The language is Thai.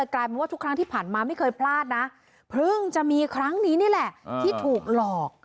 กลายเป็นว่าทุกครั้งที่ผ่านมาไม่เคยพลาดนะเพิ่งจะมีครั้งนี้นี่แหละที่ถูกหลอก